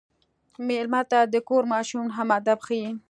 مېلمه ته د کور ماشوم هم ادب ښيي.